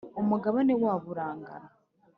Umugabane wabo urangana.